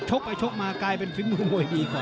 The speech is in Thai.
ไปชกมากลายเป็นฝีมือมวยดีกว่า